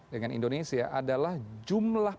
dengan indonesia adalah jumlah